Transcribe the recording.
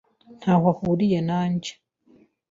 Ntaho ahuriye nanjye.